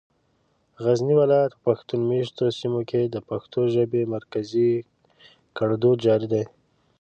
غزني ولايت په پښتون مېشتو سيمو کې د پښتو ژبې مرکزي ګړدود جاري دی.